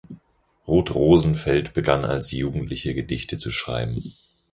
Ruth Rosenfeld begann als Jugendliche Gedichte zu schreiben.